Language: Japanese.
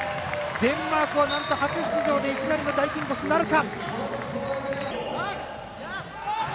デンマークは、なんと初出場でいきなりの大金星なるか。